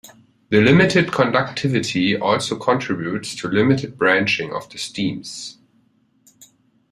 The limited conductivity also contributes to limited branching of the stems.